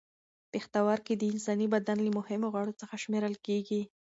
پښتورګي د انساني بدن له مهمو غړو څخه شمېرل کېږي.